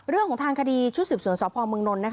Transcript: เรื่องของทางคดีชุดสิบส่วนสอบพมน